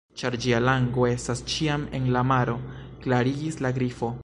"Ĉar ĝia lango estas ĉiam en la maro," klarigis la Grifo.